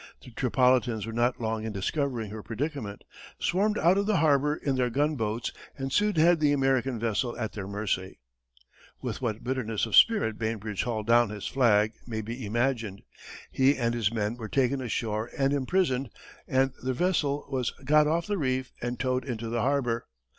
The Tripolitans were not long in discovering her predicament, swarmed out of the harbor in their gunboats, and soon had the American vessel at their mercy. With what bitterness of spirit Bainbridge hauled down his flag may be imagined. He and his men were taken ashore and imprisoned and their vessel was got off the reef and towed into the harbor.